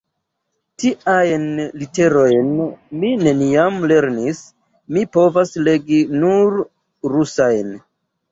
Tiajn literojn mi neniam lernis; mi povas legi nur rusajn.